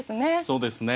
そうですね。